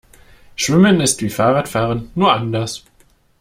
Schwimmen ist wie Fahrradfahren, nur anders.